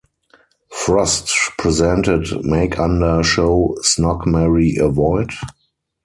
Frost presented makeunder show Snog Marry Avoid?